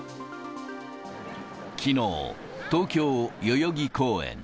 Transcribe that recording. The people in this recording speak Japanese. きのう、東京・代々木公園。